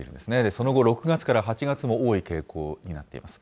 その後６月から８月も多い傾向になっています。